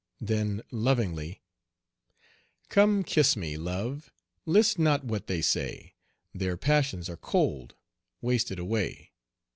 Then lovingly, "Come kiss me, love, list not what they say, Their passions are cold, wasted away.